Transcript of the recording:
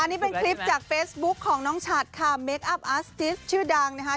นี่เป็นคลิปจากเฟซบุ๊คของน้องฉัดค่ะเมคอัพอาสติสชื่อดังนะคะ